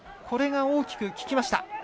これが大きく効きました。